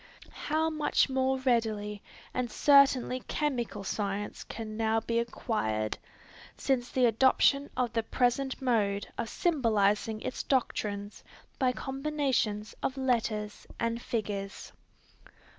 How much more readily and certainly chemical science can now be acquired, since the adoption of the present mode of symbolizing its doctrines by combinations of letters and figures.